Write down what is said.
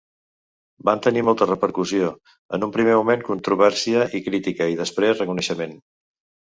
Van tenir molta repercussió, en un primer moment controvèrsia i crítica i després reconeixement.